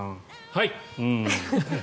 はい！